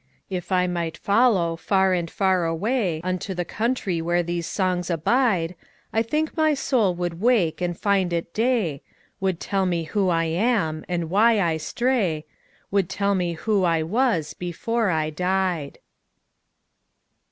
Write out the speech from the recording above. If I might follow far and far awayUnto the country where these songs abide,I think my soul would wake and find it day, Would tell me who I am, and why I stray,—Would tell me who I was before I died.